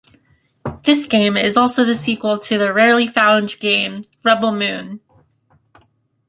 This game is also the sequel to the rarely found game "Rebel Moon".